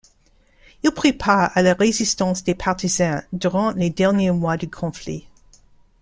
Il prit part à la résistance des Partisans durant les derniers mois du conflit.